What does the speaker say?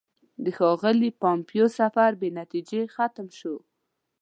د ښاغلي پومپیو سفر بې نتیجې ختم شو.